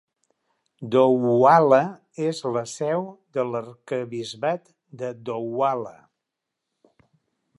Douala és la seu de l'arquebisbat de Douala.